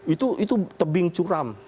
itu tebing curam